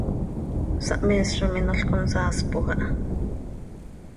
Sahmees zo minol consaaspoj aha.